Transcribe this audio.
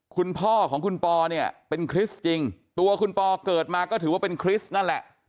คุณพ่อของคุณปอเนี่ยเป็นคริสต์จริงตัวคุณปอเกิดมาก็ถือว่าเป็นคริสต์นั่นแหละ